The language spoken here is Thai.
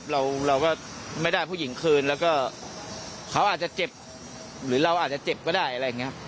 เราก็ไม่ได้ผู้หญิงคืนแล้วก็เขาอาจจะเจ็บหรือเราอาจจะเจ็บก็ได้อะไรอย่างนี้ครับ